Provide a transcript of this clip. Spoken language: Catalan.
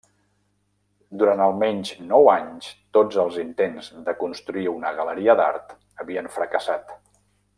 Durant almenys nou anys, tots els intents de construir una galeria d'art havien fracassat.